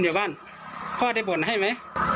อยู่บ้านพ่อได้บ่นให้ไหม